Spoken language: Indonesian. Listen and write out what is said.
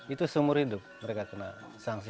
itu seumur hidup mereka kena sanksi